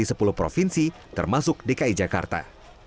di sepuluh provinsi termasuk dki jakarta